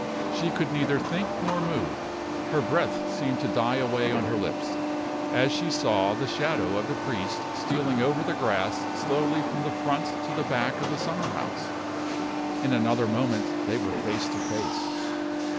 She could neither think nor move her breath seemed to die away on her lips as she saw the shadow of the priest stealing over the grass slowly from the front to the back of the summer house. In another moment they were face to face.